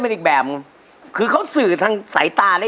เพราะว่าเพราะว่าเพราะ